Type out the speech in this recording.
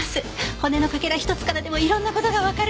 骨のかけら１つからでも色んな事がわかる。